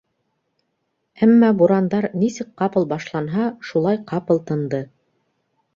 Әммә бурандар нисек ҡапыл башланһа, шулай ҡапыл тынды.